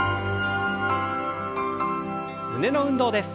胸の運動です。